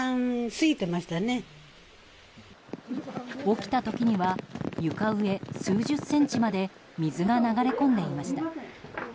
起きた時には床上数十センチまで水が流れ込んでいました。